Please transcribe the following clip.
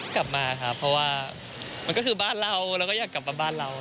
กลับมาครับเพราะว่ามันก็คือบ้านเราเราก็อยากกลับมาบ้านเรา